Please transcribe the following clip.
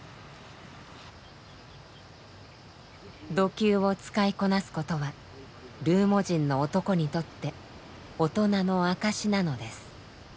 弩弓を使いこなすことはルーモ人の男にとって大人の証しなのです。